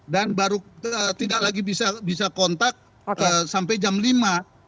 dan baru tidak lagi bisa kontak sampai jam lima